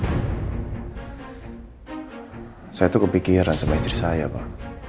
saya itu kepikiran sama istri saya pak